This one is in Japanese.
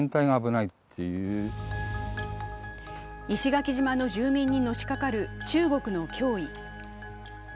石垣島の住民にのしかかる中国の脅威。